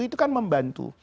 itu kan membantu